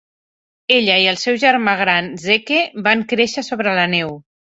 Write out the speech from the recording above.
Ella i el seu germà gran Zeke van créixer sobre la neu.